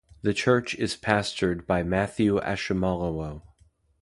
The church is pastored by Matthew Ashimolowo.